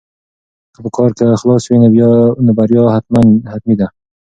که په کار کې اخلاص وي نو بریا حتمي ده.